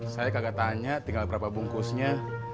saya kagak tanya tinggal berapa bungkusnya